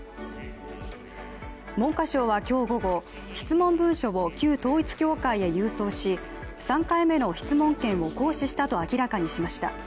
文科省は今日午後、質問文書を旧統一教会へ郵送し３回目の質問権を行使したと明らかにしました。